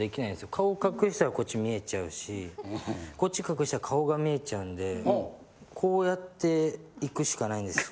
顔を隠したらこっち見えちゃうしこっち隠したら顔が見えちゃうんでこうやっていくしかないんですよ